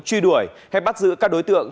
truy đuổi hay bắt giữ các đối tượng